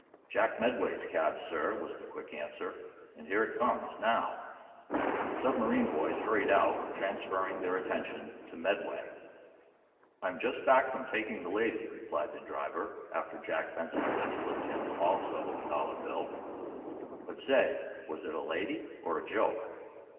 "Jack Medway's cab, sir," was the quick answer. "And here it comes, now." The submarine boys hurried out, transferring their attention to Medway. "I'm just back from taking the lady," replied the driver, after Jack Benson had slipped him, also, a dollar bill. "But say was it a lady, or a joke?"